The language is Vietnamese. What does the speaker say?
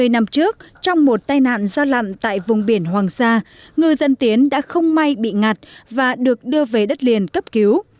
hai mươi năm trước trong một tai nạn do lặn tại vùng biển hoàng sa ngư dân tiến đã không may bị ngạt và được đưa về đất liền cấp cứu